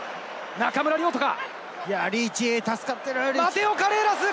中村亮土か？